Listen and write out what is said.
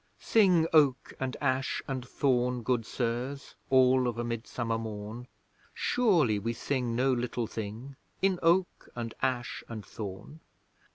Sing Oak, and Ash, and Thorn, good Sirs (All of a Midsummer morn)! Surely we sing no little thing, In Oak, and Ash, and Thorn!